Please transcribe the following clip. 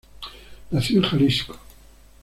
Nació en Jalisco.